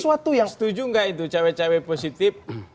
pak gansi setuju gak itu cewek cewek positif